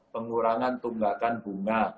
pengurangan tunggakan bunga